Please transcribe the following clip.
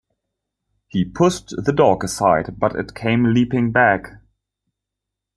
He pushed the dog aside, but it came leaping back.